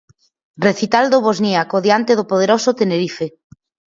Recital do bosníaco diante do poderoso Tenerife.